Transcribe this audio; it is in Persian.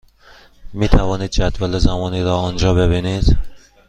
می توانید جدول زمانی را آنجا ببینید.